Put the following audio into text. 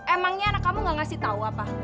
emangnya anak kamu gak ngasih tau apa